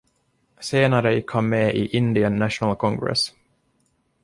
Senare gick han med i Indian National Congress.